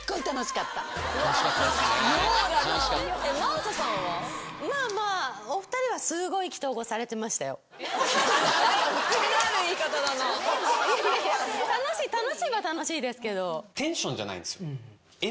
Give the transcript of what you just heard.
楽しいは楽しいですけど。